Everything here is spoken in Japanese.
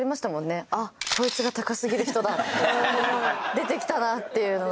出てきたなっていうのが。